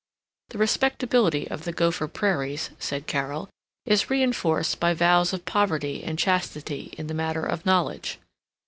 The respectability of the Gopher Prairies, said Carol, is reinforced by vows of poverty and chastity in the matter of knowledge.